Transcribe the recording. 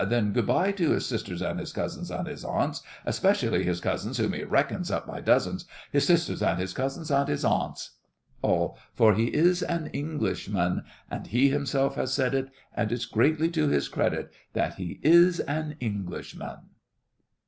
Then good bye to his sisters, and his cousins, and his aunts, Especially his cousins, Whom he reckons up by dozens, His sisters, and his cousins, and his aunts! ALL. For he is an Englishman, And he himself hath said it, And it's greatly to his credit That he is an Englishman!